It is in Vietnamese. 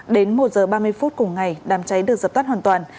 đến một h ba mươi phút cùng ngày đám cháy được dập tắt hoàn toàn